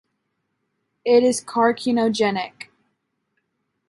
It is carcinogenic.